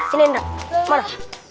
ini ngerak mana